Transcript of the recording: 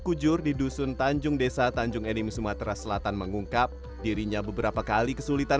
kujur di dusun tanjung desa tanjung enim sumatera selatan mengungkap dirinya beberapa kali kesulitan